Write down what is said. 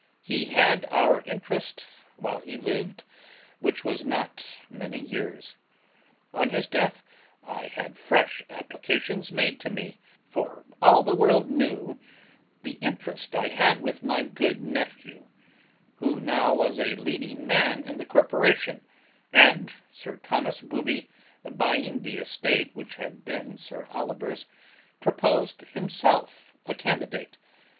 He had our interest while he lived, which was not many years. On his death I had fresh applications made to me; for all the world knew the interest I had with my good nephew, who now was a leading man in the corporation; and Sir Thomas Booby, buying the estate which had been Sir Oliver's, proposed himself a candidate.